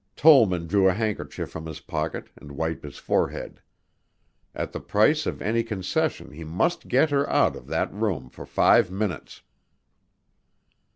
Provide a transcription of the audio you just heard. Tollman drew a handkerchief from his pocket and wiped his forehead. At the price of any concession he must get her out of that room for five minutes!